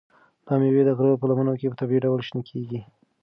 دا مېوې د غره په لمنو کې په طبیعي ډول شنه کیږي.